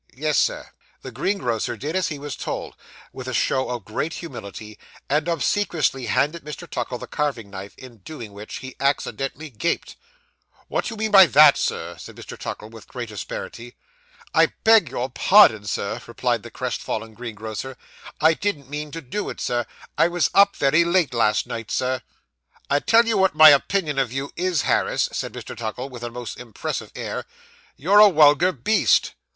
'Yes, Sir.' The greengrocer did as he was told, with a show of great humility, and obsequiously handed Mr. Tuckle the carving knife; in doing which, he accidentally gaped. 'What do you mean by that, Sir?' said Mr. Tuckle, with great asperity. 'I beg your pardon, Sir,' replied the crestfallen greengrocer, 'I didn't mean to do it, Sir; I was up very late last night, Sir.' 'I tell you what my opinion of you is, Harris,' said Mr. Tuckle, with a most impressive air, 'you're a wulgar beast.